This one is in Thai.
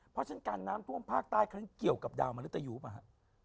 เพราะฉะนั้นการน้ำถ่วมภาคใต้เค้าที่ยกับดำอริตายูมา